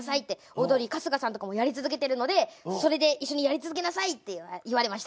オードリー春日さんとかもやり続けてるのでそれで「一緒にやり続けなさい」って言われました。